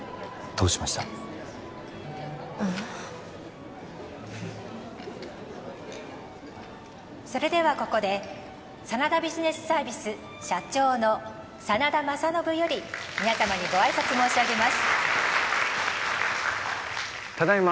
ううんそれではここで真田ビジネスサービス社長の真田政信より皆様にご挨拶申し上げます